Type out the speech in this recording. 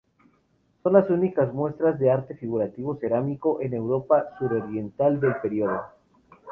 Son las únicas muestras de arte figurativo cerámico en Europa suroriental del periodo.